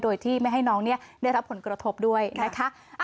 โดยที่ไม่ให้น้องได้รับผลกระทบด้วยนะคะ